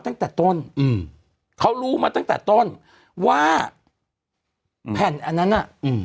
ตั้งแต่ต้นอืมเขารู้มาตั้งแต่ต้นว่าแผ่นอันนั้นน่ะอืม